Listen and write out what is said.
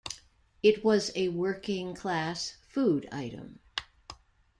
It was a working-class food item.